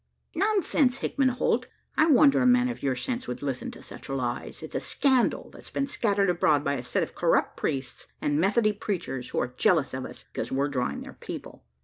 "Nonsense, Hickman Holt. I wonder a man of your sense would listen to such lies. It's a scandal that's been scattered abroad by a set of corrupt priests and Methody preachers, who are jealous of us, because we're drawing their people.